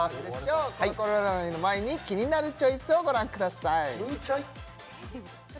コロコロ占いの前にキニナルチョイスをご覧ください